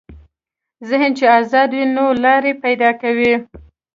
ذهن چې ازاد وي، نوې لارې پیدا کوي.